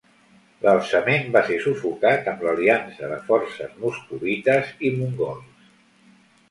L'alçament va ser sufocat amb l'aliança de forces moscovites i mongols.